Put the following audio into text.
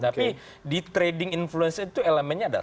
tapi di trading influence itu elemennya ada suara